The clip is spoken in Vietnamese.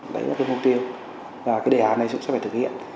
đấy là cái mục tiêu và cái đề án này cũng sẽ phải thực hiện